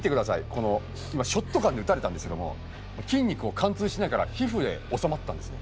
この今ショットガンで撃たれたんですけども筋肉を貫通しないから皮膚で収まったんですね。